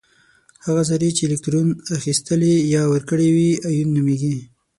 هغه ذرې چې الکترون اخیستلی یا ورکړی وي ایون نومیږي.